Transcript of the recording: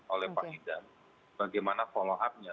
oleh pak hidam bagaimana follow up nya